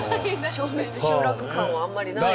消滅集落感はあんまりない。